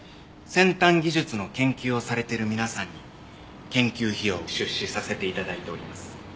先端技術の研究をされてる皆さんに研究費用を出資させて頂いております。